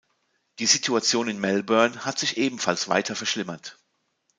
Die Situation in Melbourne hat sich ebenfalls weiter verschlimmert.